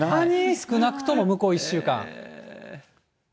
少なくとも向こう１週間。